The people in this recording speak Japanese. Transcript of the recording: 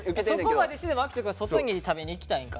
そこまでしてでも照史くんは外に食べに行きたいんか。